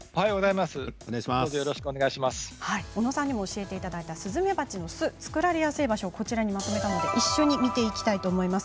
小野さんにも教えていただいたスズメバチの巣を作られやすい場所をまとめたものを一緒に見ていきたいと思います。